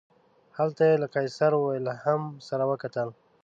هلته یې له قیصر ویلهلم سره وکتل.